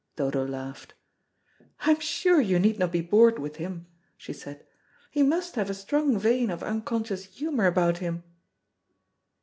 Dodo laughed. "I'm sure you need not be bored with him," she said. "He must have a strong vein of unconscious humour about him."